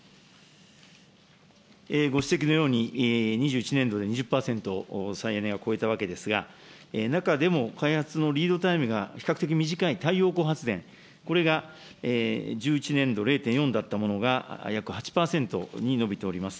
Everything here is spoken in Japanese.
ご指摘のように、２１年度に２０％、再エネが超えたわけですが、中でも開発のリードタイムが比較的短い太陽光発電、これが１１年度０．４だったものが約８％に伸びております。